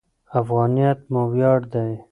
افغانیت مو ویاړ دی.